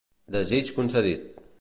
Desig concedit!